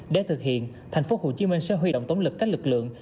để thực hiện tp hcm sẽ huy động tổng lực các lực lượng